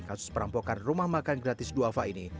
kasus perampokan rumah makan gratis duafa ini